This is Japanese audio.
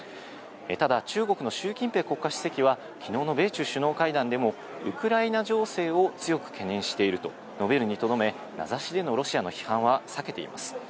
ただ中国のシュウ・キンペイ国家主席は、昨日の米中首脳会談でもウクライナ情勢を強く懸念していると述べるにとどめ、名指しでのロシアの批判は避けています。